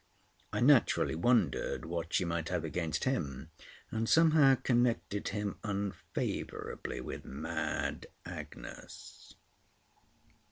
I naturally wondered what she might have against him; and somehow connected him unfavourably with mad Agnes.